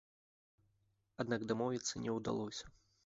Аднак дамовіцца не ўдалося.